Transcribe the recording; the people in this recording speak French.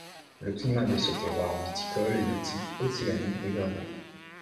Le climat de ce terroir viticole est de type océanique dégradé.